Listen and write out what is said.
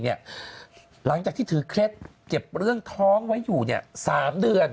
หลังจากที่ถือเคล็ดเก็บเรื่องท้องไว้อยู่๓เดือน